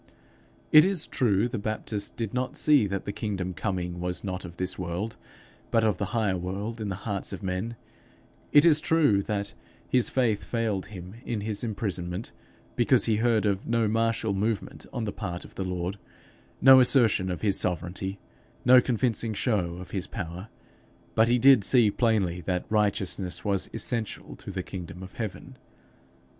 It is true the Baptist did not see that the kingdom coming was not of this world, but of the higher world in the hearts of men; it is true that his faith failed him in his imprisonment, because he heard of no martial movement on the part of the Lord, no assertion of his sovereignty, no convincing show of his power; but he did see plainly that righteousness was essential to the kingdom of heaven.